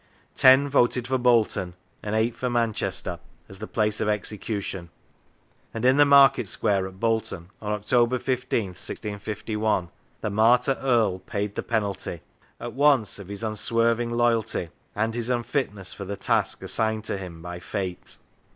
Ten voted for Bolton and eight for Manchester as the place of execution; and in the Market Square at Bolton, on October I5th, 1651, the martyr earl paid the penalty, at once of his unswerving loyalty and his unfitness for the task assigned to him by fate.